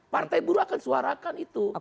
partai buruh akan suarakan itu